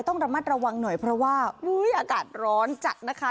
ต้องระมัดระวังหน่อยเพราะว่าอุ้ยอากาศร้อนจัดนะคะ